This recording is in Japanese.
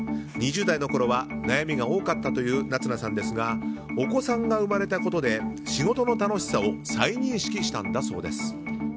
２０代のころは悩みが多かったという夏菜さんですがお子さんが生まれたことで仕事の楽しさを再認識したんだそうです。